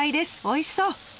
おいしそう！